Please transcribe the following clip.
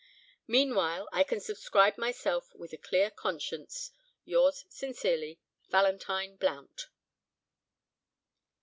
Meanwhile I can subscribe myself with a clear conscience, "Yours sincerely, "VALENTINE BLOUNT."